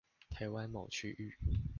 台灣某區域